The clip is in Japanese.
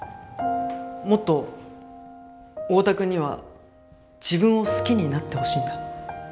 もっと太田君には自分を好きになってほしいんだ。